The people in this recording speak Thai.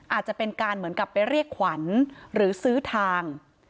อาจจะเป็นการเหมือนกับไปเรียกขวัญหรือซื้อทาง